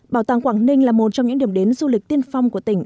bảo tàng quảng ninh là một trong những điểm đến du lịch tiên phong của tỉnh